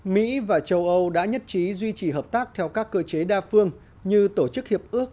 mỹ và châu âu đã nhất trí duy trì hợp tác theo các cơ chế đa phương như tổ chức hiệp ước